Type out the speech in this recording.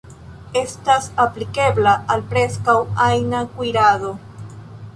Estas aplikebla al preskaŭ ajna kuirado.